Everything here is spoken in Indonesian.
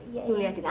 kamu lihat ayah